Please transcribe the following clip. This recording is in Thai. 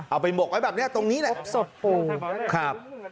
หมกไว้แบบนี้ตรงนี้แหละครับ